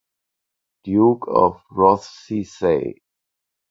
Duke of Rothesay.